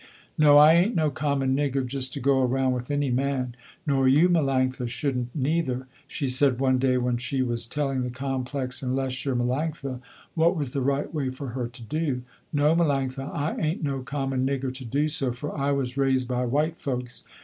"No, I ain't no common nigger just to go around with any man, nor you Melanctha shouldn't neither," she said one day when she was telling the complex and less sure Melanctha what was the right way for her to do. "No Melanctha, I ain't no common nigger to do so, for I was raised by white folks.